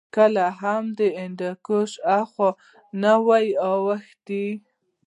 کله هم د هندوکش هاخوا نه وو اوښتي